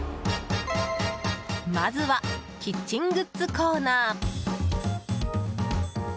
まずは、キッチングッズコーナー。